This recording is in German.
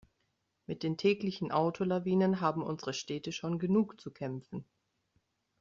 Mit den täglichen Autolawinen haben unsere Städte schon genug zu kämpfen.